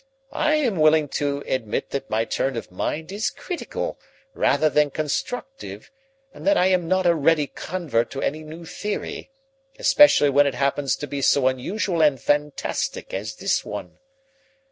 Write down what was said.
"I am willing to admit that my turn of mind is critical rather than constructive and that I am not a ready convert to any new theory, especially when it happens to be so unusual and fantastic as this one.